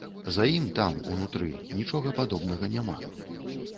За ім, там, унутры, нічога падобнага няма.